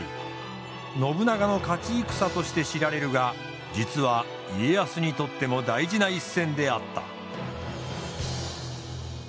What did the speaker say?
信長の勝ち戦として知られるが実は家康にとっても大事な一戦であった。